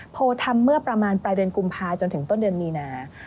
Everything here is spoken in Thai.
ทำเมื่อประมาณปลายเดือนกุมภาจนถึงต้นเดือนมีนา